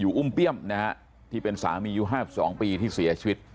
อยู่อุ้มเปรียมนะฮะที่เป็นสามีอยู่ห้าสิบสองปีที่เสียชีวิต